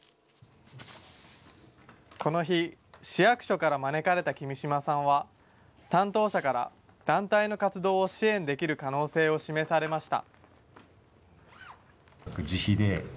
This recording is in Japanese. この日、市役所から招かれた君島さんは、担当者から、団体の活動を支援できる可能性を示されました。